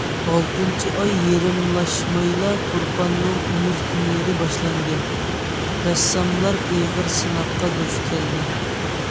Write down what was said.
ئالتىنچى ئاي يېرىملاشمايلا تۇرپاننىڭ تومۇز كۈنلىرى باشلاندى، رەسساملار ئېغىر سىناققا دۇچ كەلدى.